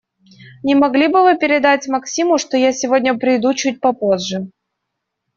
Не могли бы Вы передать Максиму, что я сегодня приду чуть попозже?